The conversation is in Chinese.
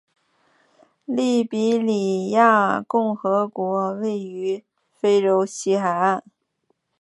利比里亚共和国位于非洲西海岸。